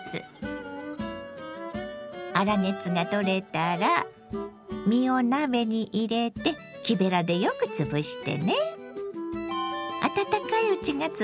粗熱が取れたら実を鍋に入れて木べらでよくつぶしてね。